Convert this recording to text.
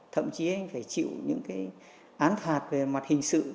thậm chí anh phải chịu những cái án phạt về mặt hình sự